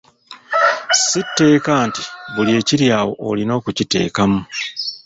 Si tteeka nti buli ekiri awo olina okukiteekamu.